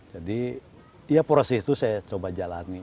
jadi ya proses itu saya coba jalani